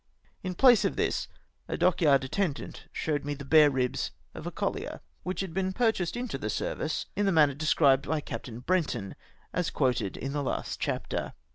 In place of this, a dock yard attendant showed me the bare ribs of a coUier, which had been purchased into the service in the manner described by Captain Brenton, as quoted in the last chapter.